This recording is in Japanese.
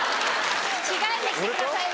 着替えてきてくださいよ。